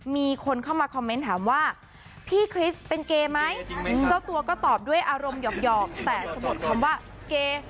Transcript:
มีคนเข้ามาคอมเมนต์ถามว่าพี่คริสเป็นเกย์ไหมเจ้าตัวก็ตอบด้วยอารมณ์หยอกแต่สะบดคำว่าเกย์